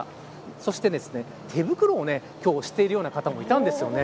そして手袋をしているような方もいたんです。